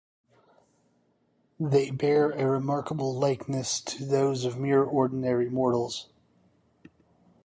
They bear a remarkable likeness to those of mere ordinary mortals.